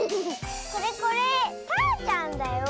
これこれたーちゃんだよ。